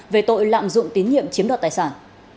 về tội lạm dụng tín nhiệm chiếm đoạt tài sản